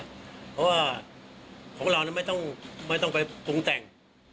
เพราะว่าของเราไม่ต้องไปปรุงแต่ง